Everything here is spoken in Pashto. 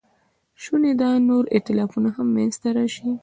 شونې ده نور ایتلافونه هم منځ ته راشي.